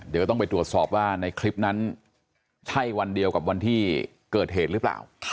เดี๋ยวก็ต้องไปตรวจสอบว่าในคลิปนั้นใช่วันเดียวกับวันที่เกิดเหตุหรือเปล่า